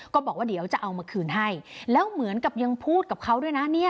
ก็บอกว่าเดี๋ยวจะเอามาคืนให้แล้วเหมือนกับยังพูดกับเขาด้วยนะเนี่ย